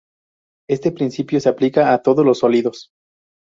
Este principio se aplica a todos los sólidos.